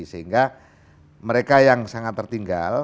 sehingga mereka yang sangat tertinggal